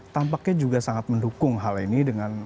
tampaknya juga sangat mendukung hal ini dengan